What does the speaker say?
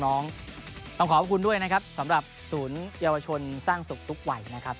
ต้องขอขอบคุณด้วยนะครับสำหรับศูนยวชนสร้างสุขทุกวัยนะครับ